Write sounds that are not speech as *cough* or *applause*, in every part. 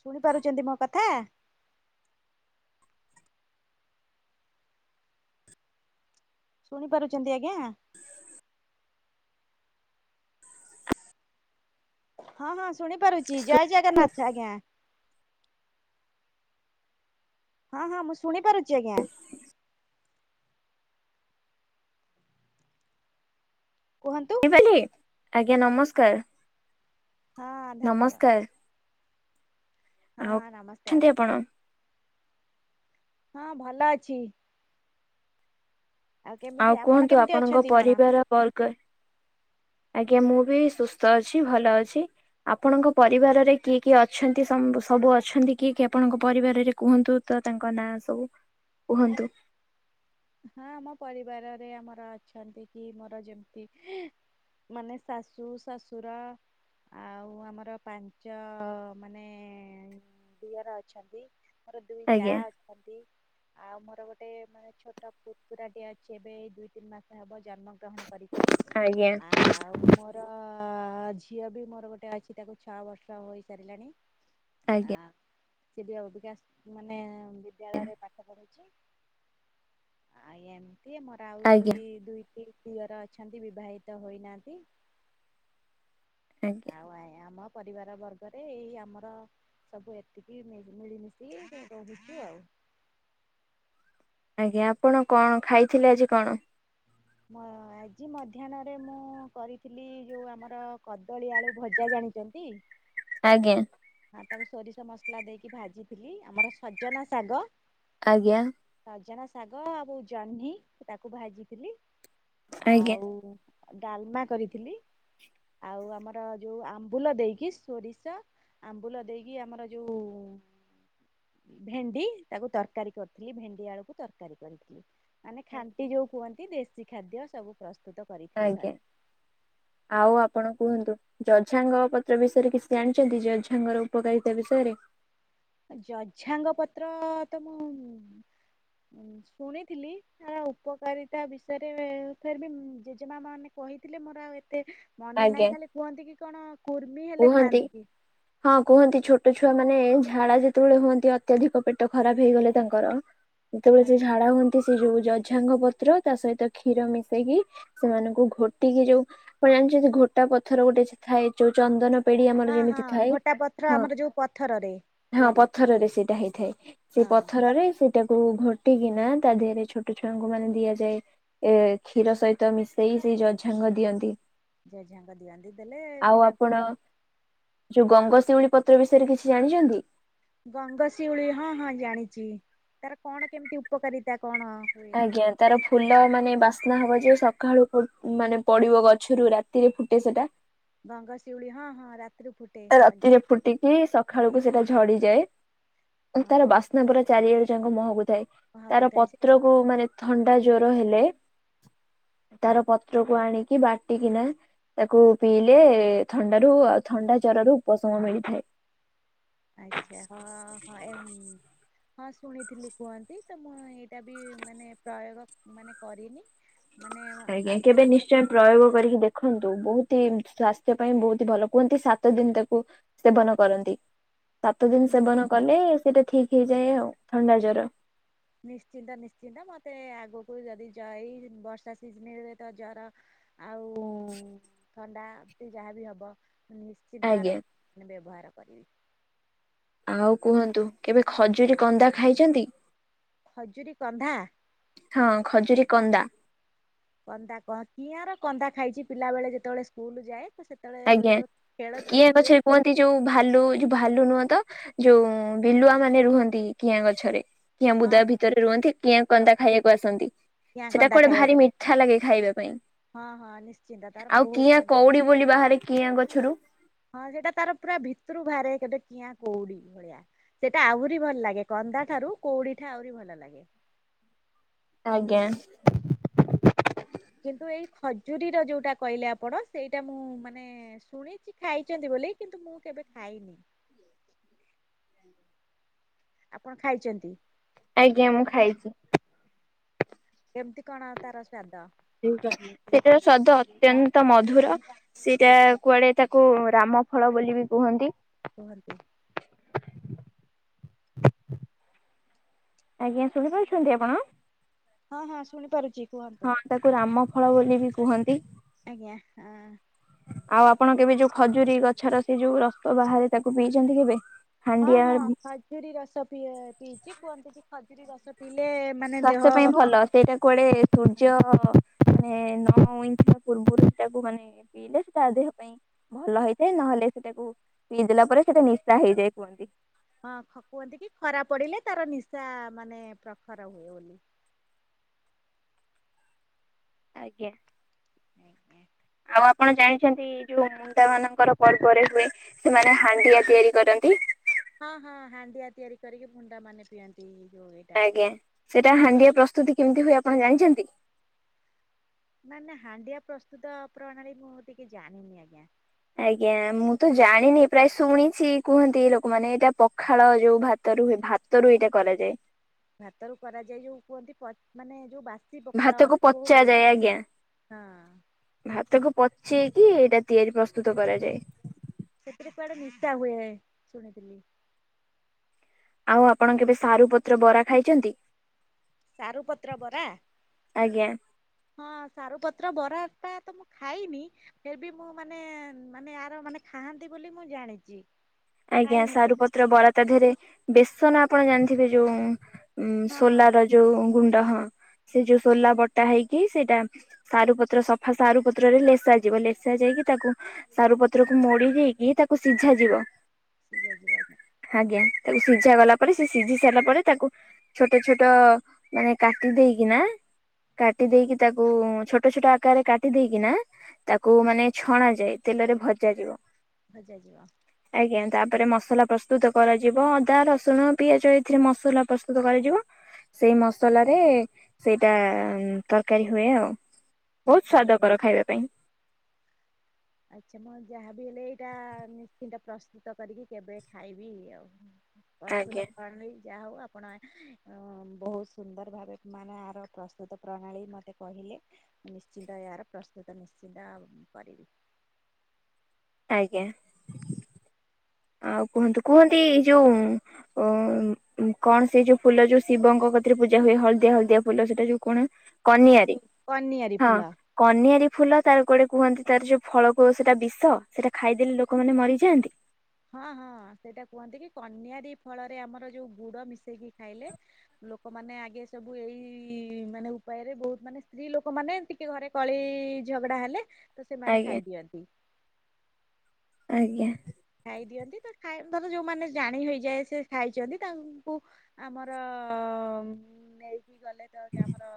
ଶୁଣି ପାରୁଛନ୍ତି ମୋ କଥା? ଶୁଣି ପାରୁଛନ୍ତି ଆଜ୍ଞା? *inaudible* ହଁ ହଁ ଶୁଣି ପାରୁଛି ଜୟ ଶୁଣିପାରିଲେ? ଜଗନ୍ନାଥ ଆଜ୍ଞା। ହଁ ହଁ ମୁଁ ଶୁଣିପାରୁଛି ଆଜ୍ଞା। କୁହନ୍ତୁ। ଆଜ୍ଞା ନମସ୍କାର। ହଁ ଧନ୍ୟବା ନମସ୍କାର ହଁ ଆଉ ହଁ ନମସ୍କାର। ଅଛନ୍ତି ଆପଣ? ହଁ ଭଲ ଅଛି। କେମିତି ଆଉ ଆପଣ କୁହନ୍ତୁ କେମିତି ଆପଣଙ୍କ ଅଛନ୍ତି କଣ? ପରିବାର ବର୍ଗ। ଆଜ୍ଞା ମୁଁ ବି ସୁସ୍ଥ ଅଛି ଭଲ ଅଛି। ଆପଣଙ୍କ ପରିବାରରେ କିଏ କିଏ ଅଛନ୍ତି ସମ୍ବୁ ସବୁ ଅଛନ୍ତି କିଏ କିଏ ଆପଣଙ୍କ ପରିବାରରେ କୁହନ୍ତୁ? ତ ତାଙ୍କ ନାଁ ସବୁ କୁହନ୍ତୁ? ହଁ ଆମ ପରିବାରରେ ଆମର ଅଛନ୍ତି କି ମୋର ଯେମିତି ମାନେ ଶାଶୁ ଶଶୁର ଆଉ ଆମର ପାଞ୍ଚ ମାନେ ଦିଅର ଅଛନ୍ତି। ମୋର ଦୁଇ ଯା ଆଜ୍ଞା ଅଛନ୍ତି ଆଉ ମୋର ଗୋଟେ ମାନେ ଛୋଟ କୁକୁଡ଼ା ଟିଏ ଅଛି ଏବେ ଏଇ ଦୁଇ ତିନି ମାସ ହବ ଜନ୍ମ ଗ୍ରହଣ କରିଛି। ଆଜ୍ଞା ଆ ଆଉ ମୋର ଝିଅ ବି ମୋର ଗୋଟେ ଅଛି ତାକୁ ଛଅ ବର୍ଷ ହୋଇସାରିଲାଣି। *inaudible* ଆଜ୍ଞା। ସେ ଅବିକା ମାନେ ବିଦ୍ୟାଳୟରେ ପାଠ ପଢୁଛି। ଆଉ ଏମିତି ମୋର ଆଜ୍ଞା ଆଜ୍ଞା ଆହୁରି ଦୁଇଟି ଦିଅର ଅଛନ୍ତି ବିବାହିତ ହୋଇନାହାନ୍ତି। ଆଜ୍ଞା। ଆଉ ଆଇ ଆମ ପରିବାର ବର୍ଗରେ ଏଇ ଆମର ସବୁ ଏତିକି ମିଳିମିଶି କି ରହୁଛୁ ଆଉ। ଆଜ୍ଞା ଆପଣ କଣ ଖାଇଥିଲେ ଆଜି କଣ? ଆଜି ମଧ୍ୟାହ୍ନରେ ମୁଁ କରିଥିଲି ଯୋଉ ଆମର କଦଳୀ ଆଳୁ ଭଜା ଜାଣି ଜନ୍ତି। ଆଜ୍ଞା। ହଁ ତାକୁ ସୋରିଷ ମସଲା ଦେଇକି ଭାଜିଥିଲି। ଆମର ସଜନା ଶାଗ ଆଜ୍ଞା। ସଜନା ଶାଗ ଆଉ ଜହ୍ନି ତାକୁ ଭାଜିଥିଲି। ଆଜ୍ଞା ଆଉ ଡାଲମା କରିଥିଲି। ଆଉ ଆମର ଯେଉ ଆମ୍ବୁଲ ଦେଇକି ସୋରିଷ ଆମ୍ବୁଲ ଦେଇକି ଆମର ଯୋଉ ଭେଣ୍ଡି ତାକୁ ତରକାରୀ କରିଥିଲି ଭେଣ୍ଡି ଆଳୁକୁ ତରକାରୀ କରିଥିଲି। ମାନେ ଖାଣ୍ଟି ଯୋଉ କୁହନ୍ତି ଦେଶୀ ଖାଦ୍ୟ ସବୁ ପ୍ରସ୍ତୁତ କରିଥିଲି ଆଜ୍ଞା। *inaudible* ଆଉ ଆପଣ କୁହନ୍ତୁ? ଜଝାଙ୍ଗ ପତ୍ର ବିଷୟରେ କିଛି ଜାଣିଛନ୍ତି? ଜଝାଙ୍ଗର ଉପକାରିତା ବିଷୟରେ? ଜଝାଙ୍ଗ ପତ୍ର ତ ମୁଁ ଶୁଣିଥିଲି ତାର ଉପକାରିତା ବିଷୟରେ ଫେରେବି ଜେଜେମା ମାନେ କହିଥିଲେ ମୋର ଆଉ ଏତେ ମନେ ଆଜ୍ଞା ନାଇଁ ଖାଲି କୁହନ୍ତି କି କଣ କୁର୍ମି ହେଲେ କୁହନ୍ତି। ଖାଆନ୍ତି କି। ହଁ କୁହନ୍ତି ଛୋଟ ଛୁଆମାନେ ଝାଡା ଯେତେବେଳେ ହୁଅନ୍ତି ଅତ୍ୟଧିକ ପେଟ ଖରାପ ହେଇଗଲେ ତାଙ୍କର ଯେତେବେଳେ ସେ ହଁ ଝାଡା ହୁଅନ୍ତି ସେ ଯୋଉ ଜଝାଙ୍ଗ ପତ୍ର ତା ସହିତ କ୍ଷୀର ମିଶେଇକି ସେମାନଙ୍କୁ ଘୋଟିକି ଯୋଉ କଣ ଜାଣିଛନ୍ତି ଘୋଟା ପଥର ଗୋଟେ ଥାଏ। ଯୋଉ ଚନ୍ଦନ ପେଡି ଆମର ହଁ ଯେମିତି ଥାଏ। ଘୋଟା ପତ୍ର ହଁ ଆମର ଯୋଉ ପଥରରେ ହଁ ତିଆରି ପଥରରେ ସେଇଟା ହେଇଥାଏ। ସେ ହଁ। ପଥରରେ ସେଇଟାକୁ ଘଟିକିନା ତା ଦେହରେ ଛୋଟ ଛୁଆଙ୍କୁ ମାନେ ଦିଆଯାଏ। ଏ କ୍ଷୀର ସହିତ ମିଶେଇ ସେଇ ଜଝାଙ୍ଗ ଦିଅନ୍ତି। ଜେଝାଙ୍କ ଦିଅନ୍ତିି ଦେଲେ ଆଉ ପିଲାଙ୍କୁ ଆପଣ ଯୋଉ ଗଙ୍ଗଶିଉଳି ପତ୍ର ବିଷୟରେ କିଛି ଜାଣିଛନ୍ତି? ଗଙ୍ଗଶିଉଳି ହଁ ହଁ ଜାଣିଛି। ତାର କଣ କେମିତି ଉପକାରିତା କଣ? ଆଜ୍ଞା ତାର ଫୁଲ ମାନେ ବାସ୍ନା ହବ ଯେ ସକାଳୁ ମାନେ ପଡିବ ଗଛରୁ ରାତିରେ ଫୁଟେ ସେଟା। ଗଙ୍ଗଶିଉଳି ହଁ ହଁ ରା ରାତିରେ ଫୁଟିକି ସକାଳକୁ ସେଟା ଝଡିଯାଏ। ତାର ବାସ ପୁରା ଚାରିଆଡୁ ଯାକ ମହକୁ ଥାଏ। କୁହାକୁ ତାର ଥାଏ ସେ ପତ୍ରକୁ ମାନେ ଥଣ୍ଡା ଜ୍ୱର ହେଲେ ତାର ପତ୍ରକୁ ଆଣିକି ବାଟିକିନା ତାକୁ ପିଇଲେ ଥଣ୍ଡାରୁ ଆଉ ଥଣ୍ଡା ଜ୍ୱରରୁ ଉପଶମ ମିଳିଥାଏ। ଆଚ୍ଛା ହଁ ହଁ ଏମ୍ ହଁ ଶୁଣିଥିଲି କୁହନ୍ତି। ତ ମୁଁ ଏଇଟା ବି ମାନେ ପ୍ରୟୋଗ ମାନେ କରିନି। ମାନେ ଆଜ୍ଞା କେବେ ଆଗକୁ ମୋର ନିଶ୍ଚୟ ପ୍ରୟୋଗ କରିକି ଦେଖନ୍ତୁ ବହୁତ ହି ସ୍ଵାସ୍ଥ୍ୟ ପାଇଁ ବହୁତ ଭଲ। କୁହନ୍ତି ସାତଦିନ ତାକୁ ସେବନ କରନ୍ତି ସାତ ଦିନ ନି ସେବନ କଲେ ସେଇଟା ଠିକ ହେଇଯାଏ ଆଉ ଥଣ୍ଡା ଜ୍ୱର ନିଶ୍ଚିନ୍ତ ନିଶ୍ଚିନ୍ତ ମତେ ଆଗକୁ ଯଦି ଯ ଏଇ ବର୍ଷା ସିଜିନିରେ ତ ଜର ଆଉ *inaudible* ଥଣ୍ଡା ଏତି ଯାହା ବି ହେବ ମୁଁ ନିଶ୍ଚିତ ଆଜ୍ଞା। ଆର ମାନେ ବ୍ୟବହାର କରିବି। ଆଉ କୁହନ୍ତୁ କେବେ ଖଜୁରୀ କନ୍ଦା ଖାଇଛନ୍ତି? ଖଜୁରୀ କନ୍ଧା। ହଁ ଖଜୁରୀ କନ୍ଦା। କନ୍ଦା କହ କିଆଁର କନ୍ଦା ଖାଇଛି ପିଲା ବେଳେ ଯେତେବେଳେ ସ୍କୁଲ ଯାଏ ତ ସେତେବେଳେ ଆଜ୍ଞା ଯେତେବେଳେ ଖେଳ ଛୁଟି କିଆ ହୁଏ ଗଛରେ କୁହନ୍ତି ଯୋଉ ଭାଲୁ ଯୋଉ ଭାଲୁ ନୁହଁ ତ ଯୋଉ ବିଲୁଆ ମାନେ ରୁହନ୍ତି କିଆଁ ଗଛରେ। କିଆଁ ହଁ ବୁଦା ହଁ ଭିତରେ ରୁହନ୍ତି କିଆଁ କୁହ କନ୍ଦା କୁହ ଖାଇବାକୁ ଆସନ୍ତି। କିଆଁ ସେଟା କନ୍ଦା କୁଆଡେ ଖାଇବା ଭାରି ପାଇଁ ମିଠା ଲାଗେ ଖାଇବା ପାଇଁ ହଁ ହଁ ନିଶ୍ଚିନ୍ତ ତାର ଆଉ ବହୁତ କିଆଁ ମାନେ କଉଡି ବୋଲି ବାହାରେ କିଆଁ ଗଛରୁ ହଁ ସେଟା ତାର ପୁରା ଭିତରୁ ବାହାରେ କେବେ କିଆଁ କୋଉଡି ଭଳିଆ। ସେଇଟା ଆହୁରି ଭଲ ଲାଗେ କନ୍ଦା ଠାରୁ କୋଉଡି ଠା ଆହୁରି ଭଲ ଲାଗେ। ଆଜ୍ଞା। କିନ୍ତୁ ଏଇ ଖଜୁରୀର ଯୋଉଟା କହିଲେ ଆପଣ ସେଇଟା ମୁଁ ମାନେ ଶୁଣିଛି ଖାଇଛନ୍ତି ବୋଲି କିନ୍ତୁ ମୁଁ କେବେ ଖାଇନି। ଆପଣ ଖାଇଛନ୍ତି? ଆଜ୍ଞା ମୁଁ ଖାଇଛି। କେମିତି କଣା ତାରସ୍ୟାଦ? ସେଟାର ସ୍ଵାଦ ଅତ୍ୟନ୍ତ ମଧୁର। ସେଇଟା କୁଆଡେ ତାକୁ ରାମ ଫଳ ବୋଲି ବି କୁହନ୍ତି। ଜର ବି। ଆଜ୍ଞା ଶୁଣିପାରୁଛନ୍ତି ଆପଣ? ହଁ ହଁ ଶୁଣିପାରୁଛି କୁହନ୍ତୁ। ହଁ ତାକୁ ରାମ ଫଳ ବୋଲି ବି କୁହନ୍ତି। ଆଜ୍ଞା ହଁ। ଆଉ ଆପଣ କେବେ ଯୋଉ ଖଜୁରୀ ଗଛର ସେ ଯୋଉ ରସ ବାହାରେ ତାକୁ ପିଇଛନ୍ତି କେବେ? ହଁ ହଁ ହାଣ୍ଡିଆ ଖଜୁରୀ ରସ ପି ପିଇଛି କୁହନ୍ତି କି ଖଜୁରୀ ରସ ପିଇଲେ ମାନେ ଦେହ ସ୍ୱାସ୍ଥ୍ୟ ପାଇଁ ଭଲ ସେଇଟା କୁଆଡେ ସୂର୍ଯ୍ୟ ମାନେ ନଅ ଇଞ୍ଚ ପୂର୍ବରୁ ସେଟାକୁ ମାନେ ପିଇଲେ ସେଟା ଦେହ ପାଇଁ ଭଲ ହେଇଥାଏ ନହେଲେ ସେଟାକୁ ପିଇଦେଲା ପରେ ସେଟା ନିଶା ହେଇଯାଏ କୁହନ୍ତି ହଁ ଖ କୁହନ୍ତି କି ଖରା ପଡିଲେ ତାର ନିଶା ମାନେ ପ୍ରଖର ହୁଏ ବୋଲି। ଆଜ୍ଞା। ଆ ଆଉ ଆପଣ ଜାଣିଛନ୍ତି ଯୋଉ ମୁଣ୍ଡା ମାନଙ୍କର ପର୍ବରେ ହୁଏ ସେମାନେ ହାଣ୍ଡିଆ ତିଆରି କରନ୍ତି। ହଁ ହଁ ହାଣ୍ଡିଆ ତିଆରି କରିକି ଭୁଣ୍ଡା ମାନେ ପିଅନ୍ତି ଯୋଉ ଏଇଟା ଆଜ୍ଞା। ସେଟା ହାଣ୍ଡିଆ ପ୍ରସ୍ତୁତି କେମିତି ହୁଏ ଆପଣ ଜାଣିଛନ୍ତି? ମାନେ ନା ହାଣ୍ଡିଆ ପ୍ରସ୍ତୁତ ପ୍ରଣାଳୀ ମୁଁ ଟିକେ ଜାଣିନି ଆଜ୍ଞା। ଆଜ୍ଞା। ମୁଁ ତ ଜାଣିନି ପ୍ରାୟ ଶୁଣିଛି କୁହନ୍ତି ଲୋକମାନେ ଏଇଟା ପଖାଳ ଯୋଉ ଭାତ ଭା ଭାତରୁ ଏଇଟା କରାଯାଏ। ଭାତରୁ କରାଯାଏ ଯୋଉ କୁହନ୍ତି ମାନେ ଯୋଉ ବା ଖସି ପଖାଳ ଭାତକୁ ବହୁ ପଚାଯାଏ ଆଜ୍ଞା। ଦିନ ହଁ ଭାତକୁ ପଚେଇକି ଏଇଟା ତିଆରି ପ୍ରସ୍ତୁତ କରାଯାଏ। ସେଥିରେ କୁଆଡେ ନିଶା ହୁଏ ଶୁଣିଥିଲି। ଆଉ ଆପଣ କେବେ ସାରୁ ପତ୍ର ବରା ଖାଇଛନ୍ତି? ସାରୁପତ୍ର ବରା? ଆଜ୍ଞା। ହଁ ସାରୁପତ୍ର ବରାଟା ତ ମୁଁ ଖାଇନି ଫିର୍ ବି ମୁଁ ମାନେ ମାନେ ୟାର ମାନେ ଖାଆନ୍ତି ବୋଲି ମୁଁ ଜାଣିଛି। ଆଜ୍ଞା ଖାଇନି କେବେ ସାରୁପତ୍ର ବରା ତା ଦିହରେ ବେସନ ଆପଣ ଜାଣିଥିବେ ଯୋଉ ଉଁ ହଁ ସୋଲାର ଯୋଉ ଗୁଣ୍ଡ ହଁ ସେ ଯୋଉ ସୋଲା ବଟା ହେଇକି ସେଇଟା ସାରୁ ପତ୍ର ସଫା ସାରୁ ପତ୍ରରେ ଲେସା ଯିବ ଲେସା ଯାଇକି ତାକୁ ସାରୁ ପତ୍ରକୁ ମୋଡି ଦେଇକି ତାକୁ ସିଝା ଯିବ। ସିଝା ଯାଇ ଯିବ ଆଜ୍ଞା। ଆଜ୍ଞା ତାକୁ ସିଝା ଗଲା ପରେ ସେ ସିଝି ସାରିଲା ପରେ ତାକୁ ଛୋଟ ଛୋଟ ମାନେ କାଟି ଦେଇକି ନା। କାଟି ଦେଇକି ତାକୁ ଛୋଟ ଛୋଟ ଆକାରରେ କାଟି ଦେଇେକିନା ତାକୁ ହଁ ମାନେ ଛଣା ଯାଏ ତେଲରେ ଭଜା ଯିବ। ଭଜା ଯିବ। ଆଜ୍ଞା ତାପରେ ମସଲା ପ୍ରସ୍ତୁତ କରାଯିବ ଅଦା ରସୁଣ ପିଆଜ ଏଥିରେ ମସଲା ପ୍ରସ୍ତୁତ କରାଯିବ। ସେଇ ମସଲାରେ ସେଇଟା ଉଁ ତରକାରୀ ହୁଏ ଆଉ। ବହୁତ ତରକାରୀ ସ୍ଵାଦକର ଖାଇବା ପାଇଁ। ଆଚ୍ଛା ମୁଁ ଯାହାବି ହେଲେ, ଏଇଟା ନିଶ୍ଚିନ୍ତ ପ୍ରସ୍ତୁତ କରିକି କେବେ ଖାଇବି ଆଉ। ପ୍ରସ୍ତୁତ ଆଜ୍ଞା *unintelligible* ଯାହା ହବ ଆପ ଆପଣ ଅ ବହୁତ ସୁନ୍ଦର ଭାବେ ମାନେ ଆର ପ୍ରସ୍ତୁତ ପ୍ରଣାଳୀ ମୋତେ କହିଲେ। ମୁଁ ନିଶ୍ଚିନ୍ତ ଏଆର ପ୍ରସ୍ତୁତ ନିଶ୍ଚିନ୍ତ ଆ କରିବି। ଆଜ୍ଞା। ଆଉ କୁହନ୍ତୁ କୁହନ୍ତି ଏଇ ଯୋଉ ଅ କଣ ସେଇ ଯୋଉ ଫୁଲ ଯୋଉ ଶିବଙ୍କ କତିରେ ପୂଜା ହୁଏ। ହଳଦିଆ ହଳଦିଆ ଫୁଲ ସେଇଟା ଯୋଉ କଣ? କନିଆରି ଯୋଉ କନିଆରି ହଁ। ଫୁଲ। କନିଆରୀ ଫୁଲ ତାର କୁଆଡେ କୁହନ୍ତି ତାର ଯୋଉ ଫଳ କ ସେଟା ବିଷ। ସେଟା ଖାଇଦେଲେ ଲୋକମାନେ ମରିଯାଆନ୍ତି। ହଁ ହଁ ସେଇଟା କୁହନ୍ତି କି, କନିଆରି ଫଳରେ ଆମର ଯୋଉ ଗୁଡ ମିଶେଇକି ଖାଇଲେ ଲୋକମାନେ ଆଗେ ସବୁ ଏଇ ମାନେ ଉପାୟରେ ବହୁତ ମାନେ ସ୍ତ୍ରୀ ଲୋକମାନେ ଏମିତି ତ ଘରେ କଳି ଝଗଡା ହେଲେ ତ ସେମାନେ ଆଜ୍ଞା ଖାଇଦିଅନ୍ତି। ଆଜ୍ଞା। ଖାଇ ଦିଅନ୍ତି, ତ ଖାଇ ଧର ଯୋଉମାନେ ଜାଣି ହଇଯାଏ ସେ ଖାଇଛନ୍ତି ତାଙ୍କୁ ଆମର ନେଇକି ଗଲେ ତ କି ଆମର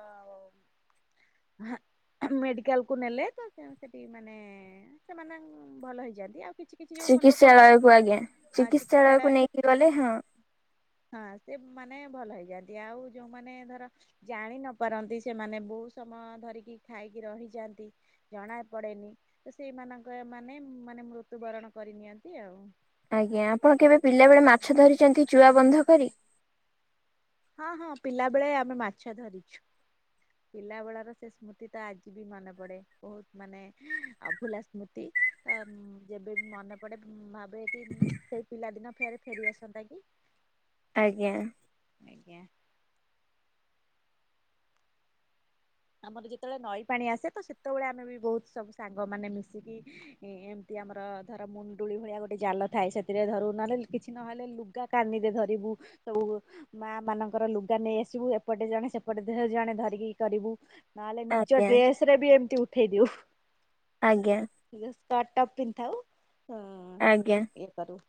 ମେଡିକାଲ କୁ ନେଲେ ତ ସେମତି ଟି ମାନେ ଏ ସେମାନେ ଭଲ ହେଇଯାଆନ୍ତି ଆଉ କିଛି କିଛି ଯୋଉ ମ ଲୋ ତ୍ସାଳୟ କୁ ଆଜ୍ଞା ଚିକିତ୍ସାଳୟ କୁ ନେଇକି ଗଲେ ହଁ। ହଁ ସେ ମାନେ ଭଲ ହେଇଯାଆନ୍ତି ଆଉ ଯୋଉମାନେ ଧର ଜାଣି ନ ପାରନ୍ତି, ସେମାନେ ବହୁତ ସମୟ ଧରିକି ଖାଇକି ରହିଯାଆନ୍ତି। ଜଣା ପଡେନି ତ ସେଇମାନଙ୍କ ମାନେ ମାନେ ମୃତ୍ୟୁବରଣ କରି ନିିଅନ୍ତି ଆଉ। ଆଜ୍ଞା ଆପଣ କେବେ ପିଲା ବେଳେ ମାଛ ଧରିଛନ୍ତି ଚୁଆ ବନ୍ଧ କରି। ହଁ ହଁ ପିଲା ବେଳେ ଆମେ ମାଛ ଧରିଚ ପିଲା ବେଳର ସେ ସ୍ମୃତି ତ ଆଜି ବି ମନେ ପଡେ ବହୁତ ମାନେ ଅଭୁଲା ସ୍ମୃତି। ତ ଉମ ଯେବେ ବି ମନେ ପଡେ ଉମ ଭାବେ କି ସେଇ ପିଲାଦିନ ଫେରେ ଫେରିଆସନ୍ତା କି। ଆଜ୍ଞା। ଆଜ୍ଞା। ଆମର ଯେତେବେଳେ ନଈ ପାଣି ଆସେ ତ, ସେତେବେଳେ ଆମେ ବି ବହୁତ ସବୁ ସାଙ୍ଗମାନେ ମିଶିକି ଏମିତି ଆମର ଧର ମୁଣ୍ଡୁଳି ଭଳିଆ ଗୋଟେ ଜାଲ ଥାଏ। ସେଥିରେ ଧରୁ ନହେଲେ କି କିଛି ନହେଲେ ଲୁଗା କାନିରେ ଧରିବୁ ସବୁ ମା ମାନଙ୍କର ଲୁଗା ନେଇଆସିବୁ ଏପଟେ ଜଣେ ସେପଟେ ଜଣେ ଧ ଜଣେ ଧରିକି କରିବୁ। ନହେଲେ ନିଜ ଆଜ୍ଞା ଡ୍ରେସ ରେ ବି ଏମିତି ଉଠେଇ ଦିଉ। ଆଜ୍ଞା। ଏ ସ୍କର୍ଟ ଟା ପିନ୍ଧିଥାଉ ଅ ଆଜ୍ଞା। ଇଏ କରୁ।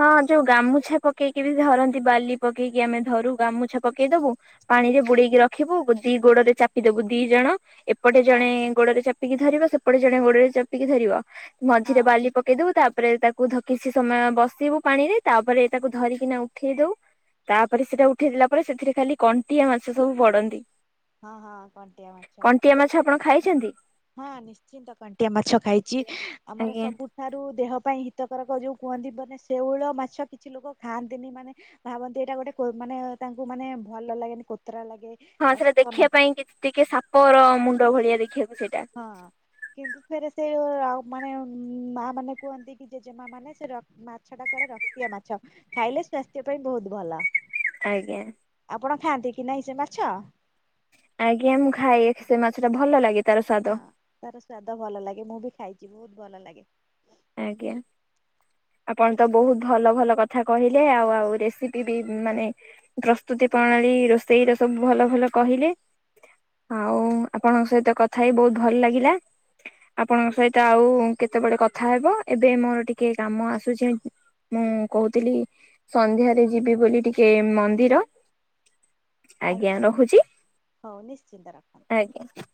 ହଁ ଯୋଉ ଗାମୁଛା ପକେଇକି ବି ଧରନ୍ତି ବାଲି ପକେଇକି ଆମେ ଧରୁ ଗାମୁଛା ପକେଇ ଦବୁ ପାଣିରେ ବୁଡେଇକି ରଖିବୁ, ଦି ଗୋଡରେ ଚାପିଦବୁ ଦି ଜଣ। ସେପଟେ ହଁ ଜଣେ ଗୋଡରେ ଚାପିକି ଧରିବ ସେପଟେ ଜଣେ ଗୋଡରେ ଚାପିକି ଧରିବ। ହଁ। ମଝିରେ ବାଲି ପକେଇଦବୁ, ତାପରେ ତାକୁ ଧ କିଛି ସମୟ ବ ଶିବୁ ପାଣିରେ, ତାପରେ ଏଇଟାକୁ ଧରିକିନା ଉଠେଇ ଦଉ। ତାପରେ ସେଟା ଉଠେଇଦେଲା ପରେ, ସେଥିରେ ଖାଲି କଣ୍ଟିଆ ମାଛ ସବୁ ପଡନ୍ତି। ହଁ ହଁ କଣ୍ଟିଆ ମାଛ। କଣ୍ଟିଆ ମାଛ ଆପଣ ଖାଇଛନ୍ତି? ହଁ ନିଶ୍ଚିନ୍ତ କଣ୍ଟିଆ ମାଛ ଖାଇଛି। ଆମର ଆଜ୍ଞା ସବୁ ଠାରୁ ଦେହ ପାଇଁ ହିତକାରକ ଯୋଉ କୁହନ୍ତି, ମାନେ ଶେଉଳ ମାଛ କିଛି ଲୋକ ଖାଆନ୍ତିନି ମାନେ ଭାବନ୍ତି ଏଇଟା ଗୋଟେ କୋ ମାନେ ତାଙ୍କୁ ମାନେ ଭଲ ଲାଗେନି କୋତରା ଲାଗେ। ହଁ ସେଇଟା ଅସନା ଦେଖିବା ପାଇଁ କି ଟିକେ ସାପର ମୁଣ୍ଡ ଭଳିଆ ଦେଖିବାକୁ ସେଇଟା। ହଁ କିନ୍ତୁ ଫେରେ ସେ ଅ ମାନେ ମା ମାନେ କୁହନ୍ତି କି ଜେଜେମାମାନେ ସେ ର ମାଛଟା କାଳେ ରକ୍ତୀଆ ମାଛ ଖାଇଲେ ସ୍ୱାସ୍ଥ୍ୟ ପାଇଁ ବହୁତ ଭଲ। ଆଜ୍ଞା। ଆପଣ ଖାଆନ୍ତି କି ନାହିଁ ସେ ମାଛ? ଆଜ୍ଞା ମୁଁ ଖାଏ ସେ ମାଛଟା ଭଲ ଲାଗେ। ତାର ସ୍ଵାଦ। ହଁ ତାର ସ୍ଵାଦ ଭଲ ଲାଗେ। ମୁଁ ବି ଖାଇଛି ବହୁତ ଭଲ ଲାଗେ। ଆଜ୍ଞା। ଆପଣ ତ ବହୁତ ଭଲ ଭଲ କଥା କହିଲେ। ଆଉ ଆଉ ରେସିପି ବି ମାନେ ପ୍ରସ୍ତୁତି ପ୍ରଣାଳୀ ରୋଷେଇର ସବୁ ଭଲ ଭଲ କହିଲେ। ଆଉ ଆପଣଙ୍କ ସହିତ କଥା ହେଇ ବହୁତ ଭଲ ଲାଗିଲା। ଆପଣଙ୍କ ସହିତ ଆଉ କେତେବେଳେ କଥା କଥା ହେବ। ଏବେ ମୋର ଟିକେ କାମ ଆସୁଛି ମୁଁ କହୁଥିଲି। ସନ୍ଧ୍ୟାରେ ଯିବି ବୋଲି ଟିକେ ମନ୍ଦିର। ଆଜ୍ଞା ରହୁଛି, ହଉ ନିଶ୍ଚିନ୍ତ ରଖନ୍ତୁ। ଆଜ୍ଞା।